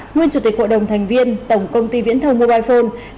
nguyên chủ tịch cộng đồng thành viên tổng công ty viễn thương mobile phone